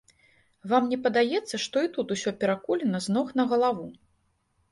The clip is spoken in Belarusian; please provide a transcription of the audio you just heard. Вам не падаецца, што і тут усё перакулена з ног на галаву?